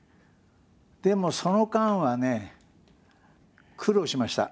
でもその間はね苦労しました。